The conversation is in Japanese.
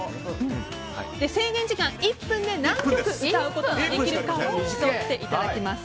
制限時間１分で何曲歌うことができるか競っていただきます。